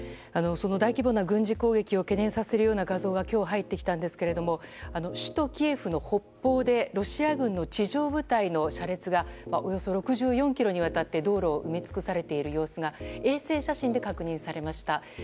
その大規模な軍事攻撃を懸念させるような画像が今日入ってきたんですが首都キエフの北方でロシア軍の地上部隊の車列がおよそ６４ｋｍにわたって道路を埋め尽くしている様子が衛星写真で確認されました。